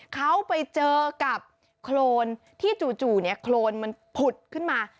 เขาไปเจอกับโครนที่จู่เนี่ยโครนมันผุดขึ้นมา